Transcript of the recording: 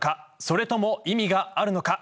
それとも意味があるのか。